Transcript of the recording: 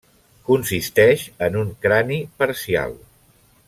Consisteix en un crani parcial.